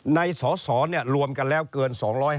ในสสรวมกันแล้วเกิน๒๕